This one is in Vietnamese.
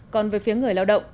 còn về phía người lao động